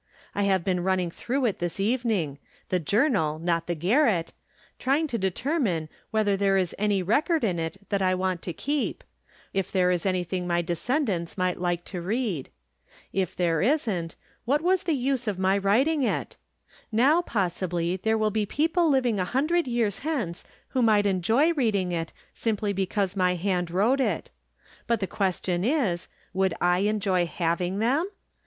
I have been running through it this evening — the Journal, not the garret — trying to determine whether there is any record in it that I want to keep ; if there is anything my descendants might like to read. If there isn't, what was the use of my 359 360 From Different Standpoints. writing it ? Now, possibly, there wUl be people living a hundred years hence who might enjoy reading it, simply because my hand wrote it. But the question is. Would I enjoy having them